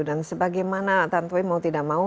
dan sebagaimana tantuy mau tidak mau